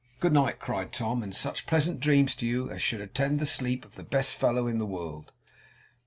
'Good night!' cried Tom; 'and such pleasant dreams to you as should attend the sleep of the best fellow in the world!